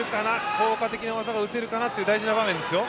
効果的な技が打てるかなという大事な場面ですよ。